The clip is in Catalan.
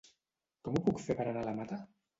Com ho puc fer per anar a la Mata?